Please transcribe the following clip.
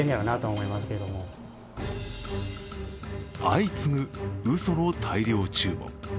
相次ぐうその大量注文。